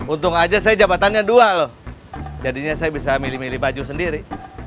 untung aja saya jabatannya dua loh jadinya saya bisa milih milih baju sendiri